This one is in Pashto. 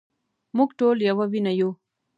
مونږ ټول يوه وينه يو